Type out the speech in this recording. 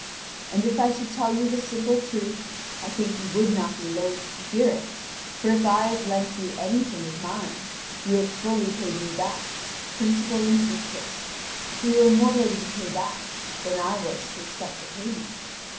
And if I should tell you the simple truth, I think you would not be loath to hear it, for if I have lent you anything of mine, you have fully paid me back, principal and interest; for you were more ready to pay back than I was to accept the payment.